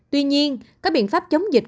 tuy nhiên các biện pháp chống dịch